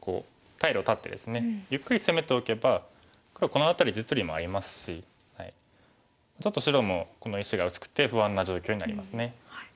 こう退路を断ってですねゆっくり攻めておけば黒この辺り実利もありますしちょっと白もこの石が薄くて不安な状況になりますね。